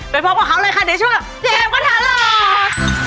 ไปพบกับเขาเลยค่ะเดี๋ยวช่วยกับเชฟกระทะหล่อง